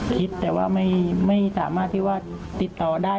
คิดแต่ว่าไม่สามารถที่ว่าติดต่อได้